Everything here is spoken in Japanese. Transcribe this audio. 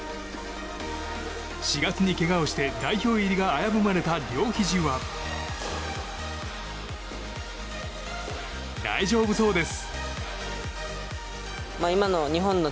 ４月にけがをして代表入りが危ぶまれた両ひじは大丈夫そうです。